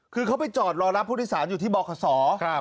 คือเขาไปจอดรอรับผู้ทิศาลอยู่ที่บอกศาสตร์